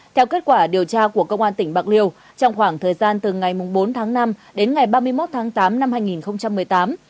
theo kết quả điều tra của công an tỉnh bạc liêu trong khoảng thời gian từ ngày bốn tháng năm đến ngày ba mươi một tháng tám năm hai nghìn một mươi tám